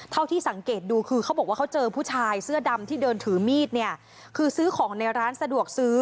เท่าที่สังเกตดูคือเขาบอกว่าเขาเจอผู้ชายเสื้อดำที่เดินถือมีดเนี่ยคือซื้อของในร้านสะดวกซื้อ